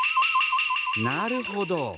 なるほど。